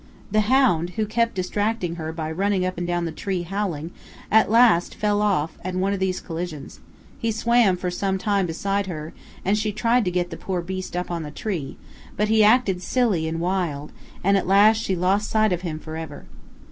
The hound, who kept distracting her by running up and down the tree and howling, at last fell off at one of these collisions. He swam for some time beside her, and she tried to get the poor beast up on the tree, but he "acted silly" and wild, and at last she lost sight of him forever.